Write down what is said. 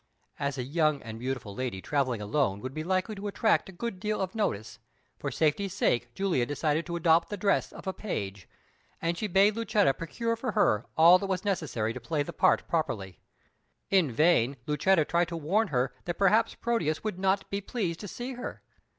As a young and beautiful lady travelling alone would be likely to attract a good deal of notice, for safety's sake Julia decided to adopt the dress of a page, and she bade Lucetta procure for her all that was necessary to play the part properly. In vain Lucetta tried to warn her that perhaps Proteus would not be pleased to see her.